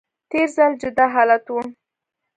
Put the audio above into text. تیر ځل جدا حالت و